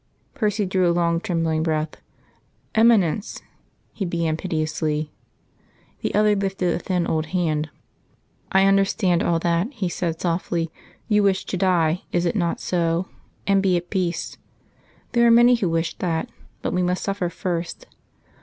Percy drew a long trembling breath. "Eminence," he began piteously. The other lifted a thin old hand. "I understand all that," he said softly. "You wish to die, is it not so? and be at peace. There are many who wish that. But we must suffer first.